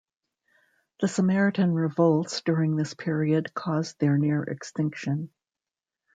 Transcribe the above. The Samaritan Revolts during this period caused their near extinction.